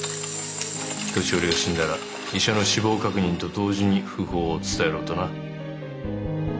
年寄りが死んだら医者の死亡確認と同時に訃報を伝えろとな。